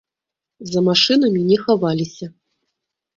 За машынамі не хаваліся.